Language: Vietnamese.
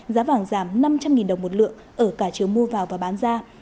giá vàng giảm năm trăm linh đồng một lượng ở cả chiều mua vào và bán ra